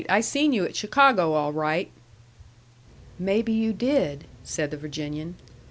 I seen you at Chicago all right." "Maybe you did," said the Virginian.